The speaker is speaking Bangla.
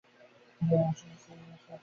গ্লাসে আছে ঐ উপাদান এবং ঐ শক্তি।